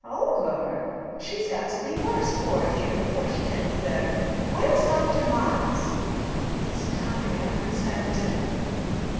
"Over! She's got to be worse, poor dear, before she can be better. Where's Dr. Miles!" "He's coming after he's had dinner."